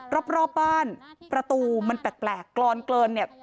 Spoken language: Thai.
รอบบ้านประตูมันแปลกกรอนเกินเนี่ย